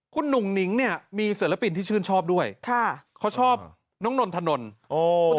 คุณหนุ่มนิ้งมีศึนปินที่ชื่นชอบด้วยเขาชอบน้องนบนะคะ